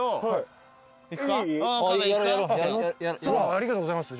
ありがとうございます。